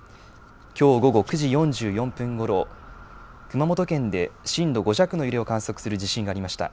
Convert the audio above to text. きょう午後９時４４分ごろ、熊本県で震度５弱の揺れを観測する地震がありました。